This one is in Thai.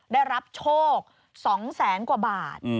ได้รับโชค๒แสนกว่าบาท